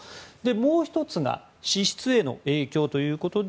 もう１つが支出への影響ということで